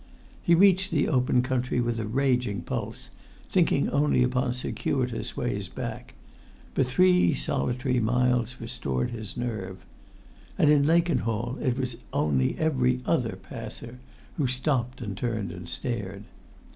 He reached the open country with a raging pulse, thinking only upon circuitous ways back; but three solitary miles restored his nerve. And in Lakenhall it was only every other passer who stopped and turned and stared.